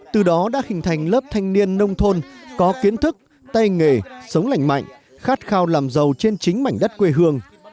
từ đó đã hình thành lớp thanh niên nông thôn có kiến thức tay nghề sống lành mạnh khát khao làm giàu trên chính mảnh đất quê hương